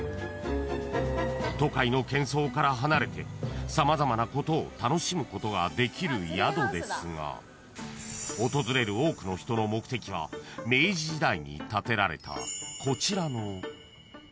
［都会の喧騒から離れて様々なことを楽しむことができる宿ですが訪れる多くの人の目的は明治時代に建てられたこちらの］